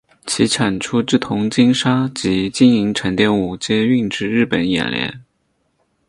其产出之铜精砂及金银沉淀物皆运至日本冶炼。